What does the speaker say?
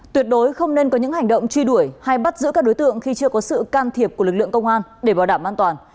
tuyệt đối không nên có những hành động truy đuổi hay bắt giữ các đối tượng khi chưa có sự can thiệp của lực lượng công an để bảo đảm an toàn